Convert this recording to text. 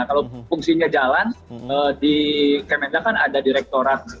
kalau fungsinya jalan di kemendak kan ada direktorat